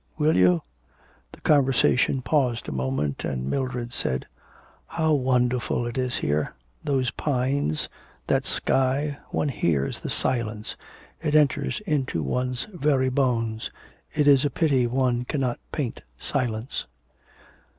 'Will you?' The conversation paused a moment, and Mildred said: 'How wonderful it is here. Those pines, that sky, one hears the silence; it enters into one's very bones. It is a pity one cannot paint silence.'